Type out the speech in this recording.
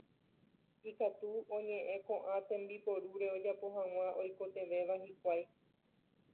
ikatu oñe'ẽ ko'ã tembiporúpe ojapo hag̃ua oikotevẽva hikuái.